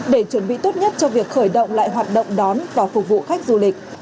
để chuẩn bị tốt nhất cho việc khởi động lại hoạt động đón và phục vụ khách du lịch